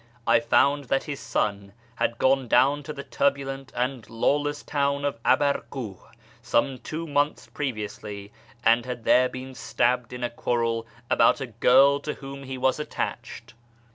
I found that his son had gone down to the turbulent and lawless town of Abarkiih some two months previously, and had there been stabbed in a quarrel about a girl to whom he was attached.